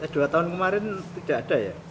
dua tahun kemarin tidak ada ya